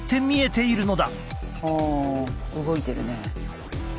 ああ動いてるね。